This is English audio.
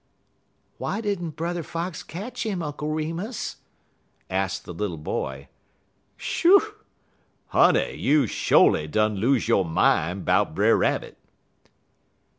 "Why did n't Brother Fox catch him, Uncle Remus?" asked the little boy. "Shoo! Honey, you sho'ly done lose yo' min' 'bout Brer Rabbit."